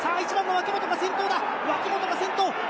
脇本が先頭！